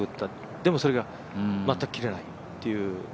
でもそれが、全く切れないという。